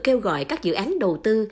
kêu gọi các dự án đầu tư